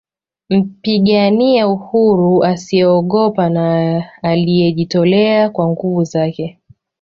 Mpigania uhuru asiyeogopa na aliyejitolea kwa nguvu zake